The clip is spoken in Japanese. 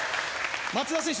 町田選手